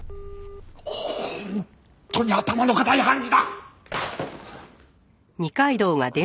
本当に頭の固い判事だ！